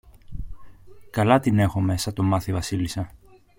Καλά την έχομε σαν το μάθει η Βασίλισσα.